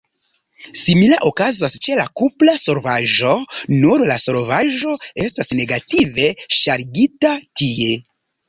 Simila okazas ĉe la kupra solvaĵo, nur la solvaĵo estas negative ŝargita tie.